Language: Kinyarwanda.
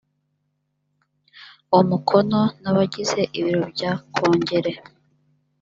umukono n abagize ibiro bya kongere